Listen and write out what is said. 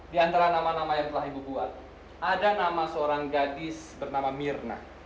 di antara nama nama yang telah ibu buat ada nama seorang gadis bernama mirna